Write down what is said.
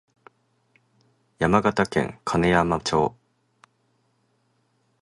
山形県金山町